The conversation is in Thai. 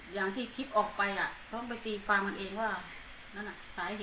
ตั้งจากที่ว่าไปตรวงเงินแล้วแจนนี่ค่อนข้างมีอารมณ์กับพ่อแมวในคลิป